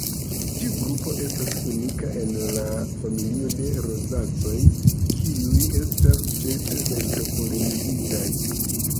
Tiu grupo estas unika en la familio de Rozacoj kiuj estas ĉefe vento-polenigitaj.